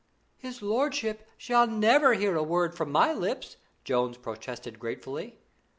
'His lordship shall never hear a word from my lips,' Jones protested gratefully.